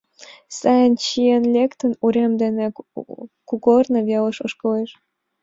Сайын чиен лектын, урем дене кугорно велыш ошкылеш.